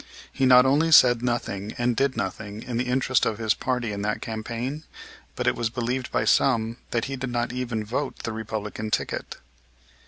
He not only said nothing and did nothing in the interest of his party in that campaign, but it was believed by some that he did not even vote the Republican ticket.